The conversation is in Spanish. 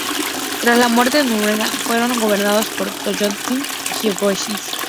Tras la muerte de Nobunaga fueron gobernadas por Toyotomi Hideyoshi.